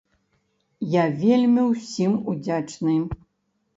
Я вельмі ўсім удзячны!